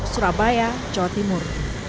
surabaya jawa timur